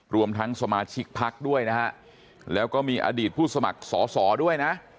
รวมทั้งสมาชิกพักด้วยนะฮะแล้วก็มีอดีตผู้สมัครสอสอด้วยนะ